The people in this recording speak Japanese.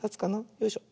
よいしょ。